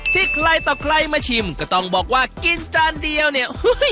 ที่ใครต่อใครมาชิมก็ต้องบอกว่ากินจานเดียวเนี่ย